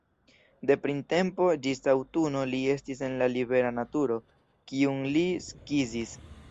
De printempo ĝis aŭtuno li estis en la libera naturo, kiun li skizis.